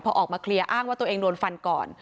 พอออกมาเคลียร์อ้างว่าตัวเองโดนฟันก่อน